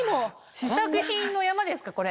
試作品の山ですかこれ。